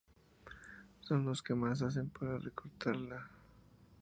son los que más hacen para recortarla